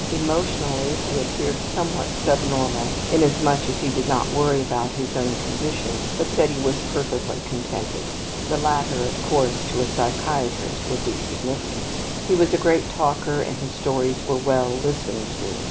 Emotionally he appeared somewhat subnormal inasmuch as he did not worry about his own condition, but said he was perfectly contented. (The latter, of course, to a psychiatrist would be significant.) He was a great talker and his stories were well listened to.